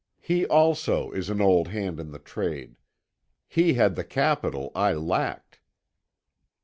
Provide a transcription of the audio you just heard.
He also is an old hand in the trade. He had the capital I lacked."